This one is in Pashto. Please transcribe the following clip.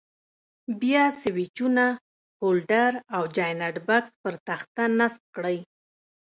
بیا سویچونه، هولډر او جاینټ بکس پر تخته نصب کړئ.